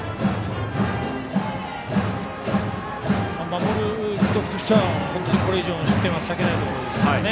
守る樹徳としてはこれ以上の失点は避けたいところですからね。